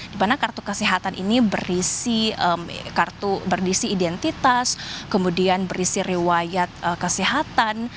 dimana kartu kesehatan ini berisi identitas kemudian berisi riwayat kesehatan